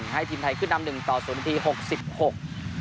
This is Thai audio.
ให้ทีมไทยขึ้นนำหนึ่งต่อศูนย์นาทีหกสิบหก